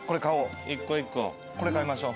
これ買いましょう。